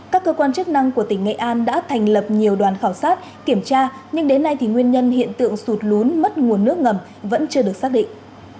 các cơ quan chức năng của tỉnh nghệ an đã thành lập nhiều đoàn khảo sát kiểm tra nhưng đến nay thì nguyên nhân hiện tượng sụt lún mất nguồn nước ngầm vẫn chưa được xác định